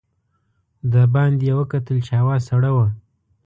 د باندې یې وکتل چې هوا سړه وه.